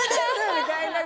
みたいな。